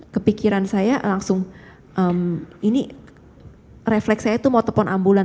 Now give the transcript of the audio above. kepikiran saya langsung ini refleks saya tuh mau telpon ambulan